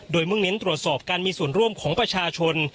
โดยมุ่งเน้นตรวจสอบการมีส่วนร่วมของประชาชน